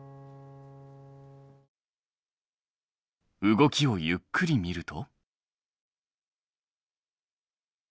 動きをゆっくり見ると。